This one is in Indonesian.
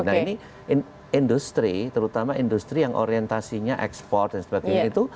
nah ini industri terutama industri yang orientasinya ekspor dan sebagainya itu